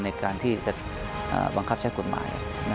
ในการที่จะบังคับใช้กฎหมาย